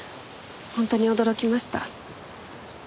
本当に驚きました。